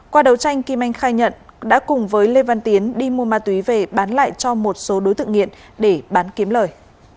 qua đấu tranh kim anh khai nhận đã cùng với lê văn tiến đi mua ma túy về bán lại cho một số đối tượng nghiện để bán kiếm lời